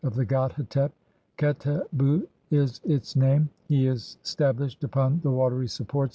of the god Hetep ; Qetetbu is its (?) name. "He is stablished upon the watery supports